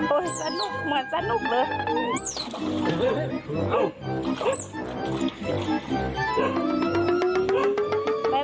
สนุกเหมือนสนุกเลย